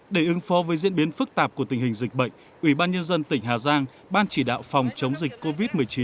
để ứng phó với diễn biến phức tạp của tình hình dịch bệnh ủy ban nhân dân tỉnh hà giang ban chỉ đạo phòng chống dịch covid một mươi chín